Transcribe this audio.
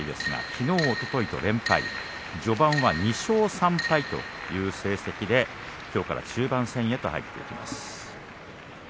きのう、おとといと連敗序盤は２勝３敗という成績できょうから中盤戦へと入っていきます。